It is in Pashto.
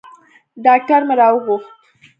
ډاکتر مې راوغوښت.